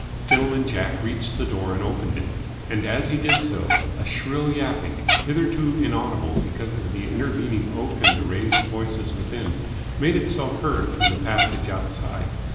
Gentleman Jack reached the door and opened it: and as he did so a shrill yapping, hitherto inaudible because of the intervening oak and the raised voices within, made itself heard from the passage outside.